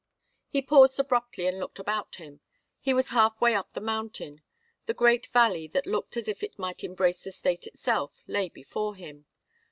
He paused abruptly and looked about him. He was half way up the mountain. The great valley, that looked as if it might embrace the State itself, lay before him.